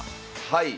はい。